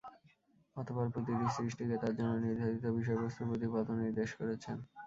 অতঃপর প্রতিটি সৃষ্টিকে তার জন্যে নির্ধারিত বিষয় বস্তুর প্রতি পথনির্দেশ করেছেন।